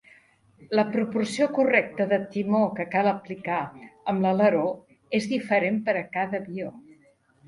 La proporció correcta de timó que cal aplicar amb l'aleró és diferent per a cada avió.